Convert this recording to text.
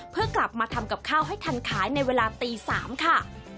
เพื่อกลับมาทำกับข้าวให้ทันขายในเวลาตี๓ค่ะ